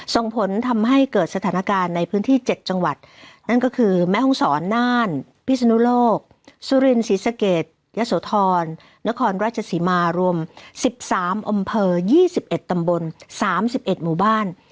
ส่งผลทำให้เกิดสถานการณ์ในพื้นที่๗จังหวัดนั่นก็คือแม่ห้องศรน่านพิศนุโลกสุรินศรีสะเกดยะโสธรนครราชศรีมารวม๑๓อำเภอ๒๑ตำบล๓๑หมู่บ้าน